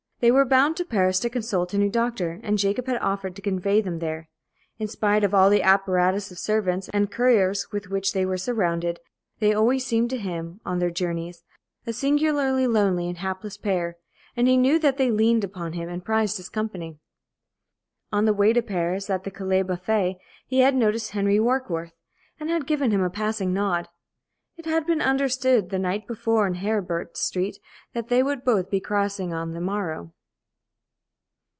They were bound to Paris to consult a new doctor, and Jacob had offered to convey them there. In spite of all the apparatus of servants and couriers with which they were surrounded, they always seemed to him, on their journeys, a singularly lonely and hapless pair, and he knew that they leaned upon him and prized his company. On the way to Paris, at the Calais buffet, he had noticed Henry Warkworth, and had given him a passing nod. It had been understood the night before in Heribert Street that they would both be crossing on the morrow.